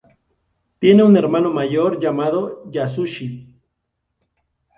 Tiene un hermano mayor llamado Yasushi.